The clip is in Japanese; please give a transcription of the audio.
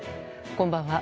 こんばんは。